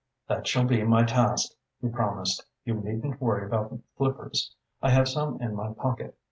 "That shall be my task," he promised. "You needn't worry about flippers. I have some in my pocket.